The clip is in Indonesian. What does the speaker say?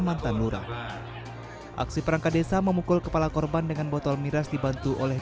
mantan lurah aksi perangkat desa memukul kepala korban dengan botol miras dibantu oleh